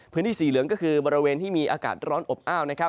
พื้นที่สีเหลืองก็คือบริเวณที่มีอากาศร้อนอบอ้าวนะครับ